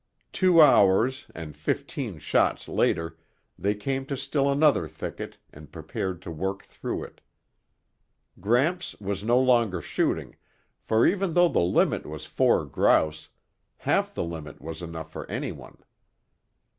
Two hours and fifteen shots later, they came to still another thicket and prepared to work through it. Gramps was no longer shooting, for even though the limit was four grouse, half the limit was enough for anyone.